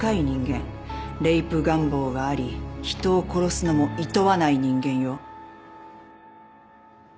レイプ願望があり人を殺すのもいとわない人間よ。